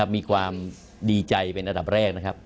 มีความดีใจเป็นระดับแรก